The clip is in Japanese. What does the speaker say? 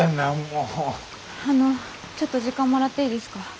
あのちょっと時間もらっていいですか？